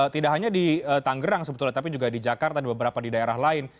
tidak hanya di tanggerang sebetulnya tapi juga di jakarta di beberapa di daerah lain